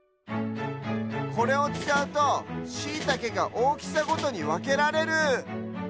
これをつかうとシイタケがおおきさごとにわけられる！